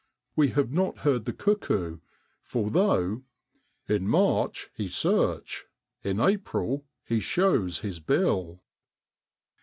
We have not heard the cuckoo, for though ' In March he search, In April he shows his bill.'